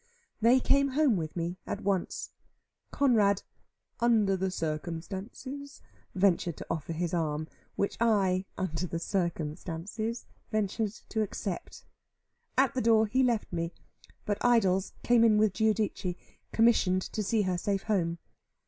They came home with me at once. Conrad, "under the circumstances," ventured to offer his arm, which I, under the circumstances, ventured to accept. At the door he left me; but Idols came in with Giudice, commissioned to see her safe home.